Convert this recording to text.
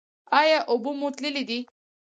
ایا اوبه مو تللې دي؟